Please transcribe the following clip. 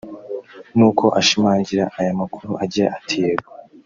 nuko ashimangira aya makuru agira ati “yego